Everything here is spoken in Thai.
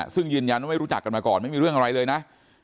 ซึ่งยืนยันว่าไม่รู้จักกันมาก่อนไม่มีเรื่องอะไรเลยนะ